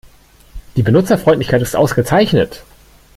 Die Benutzerfreundlichkeit ist ausgezeichnet.